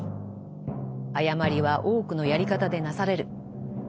誤りは多くのやり方でなされる。